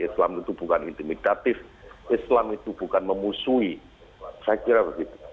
islam itu bukan intimidatif islam itu bukan memusuhi saya kira begitu